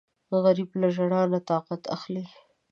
غریب له ژړا نه طاقت اخلي